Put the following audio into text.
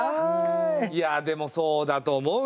いやでもそうだと思うよ。